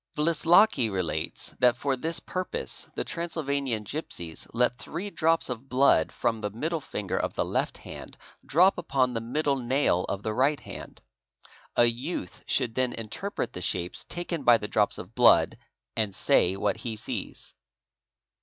Wlislocki relates that for this purpose the Transylvanian gipsies let three drops of blood from the middle finger of the left hand drop upon the middle nail of the right hand. A youth should then interpret the shapes taken by the drops of blood and say what he sees.